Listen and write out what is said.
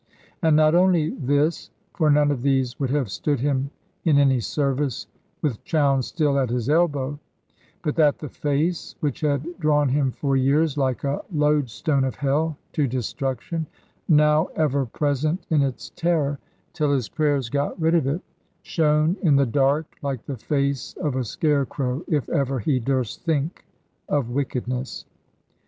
And not only this (for none of these would have stood him in any service, with Chowne still at his elbow), but that the face, which had drawn him for years, like a loadstone of hell, to destruction, now ever present in its terror, till his prayers got rid of it, shone in the dark like the face of a scarecrow, if ever he durst think of wickedness.